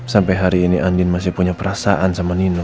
sampai hari ini andin masih punya perasaan sama nino